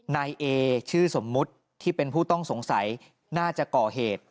นายเอชื่อสมมุติที่เป็นผู้ต้องสงสัยน่าจะก่อเหตุ